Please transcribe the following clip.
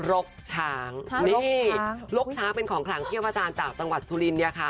ลกช้างลกช้างเป็นของขังเทียมพระอาจารย์จากตังวัดสุรินทร์เนี่ยค่ะ